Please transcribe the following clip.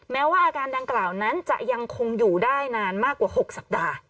แม้ว่าอาการดังกล่าวนั้นจะยังคงอยู่ได้นานมากกว่า๖สัปดาห์